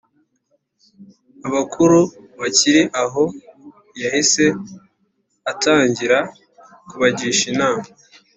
Abakuru bakiri aho yahise atangira kubagisha inama